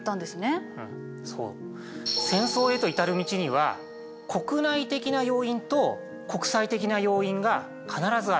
戦争へと至る道には国内的な要因と国際的な要因が必ずある。